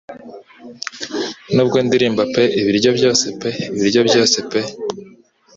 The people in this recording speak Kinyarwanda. Nubwo ndirimba pe Ibiryo byose pe ibiryo byose pe